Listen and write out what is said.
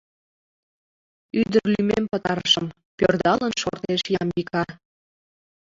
Ӱдыр лӱмем пытарышым... — пӧрдалын шортеш Ямбика.